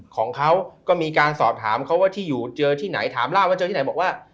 ของเขาก็มีการสอบถามเขาว่าที่อยู่เจอที่ไหนถามล่าว่าเจอที่ไหนบอกว่า